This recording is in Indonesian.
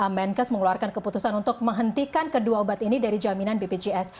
menkes mengeluarkan keputusan untuk menghentikan kedua obat ini dari jaminan bpjs